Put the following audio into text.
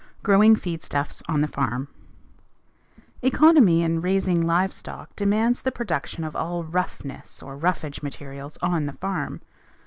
GROWING FEED STUFFS ON THE FARM Economy in raising live stock demands the production of all "roughness" or roughage materials on the farm.